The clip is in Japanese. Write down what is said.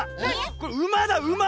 これうまだうま！